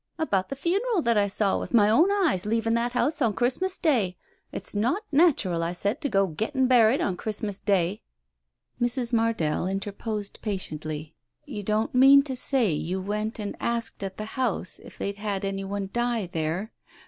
"About the funeral that I saw with my own eyes leaving that house on Christmas Day. ... It's not natural, I said, to go getting buried on Christmas Day " Mrs. M'ardell interposed impatiently. "You don't mean to say you went and asked at the house if they'd had any one die there